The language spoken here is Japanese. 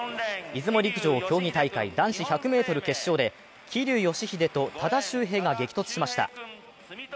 出雲陸上競技大会、男子１００ｍ決勝で桐生祥秀と多田修平が激突しました。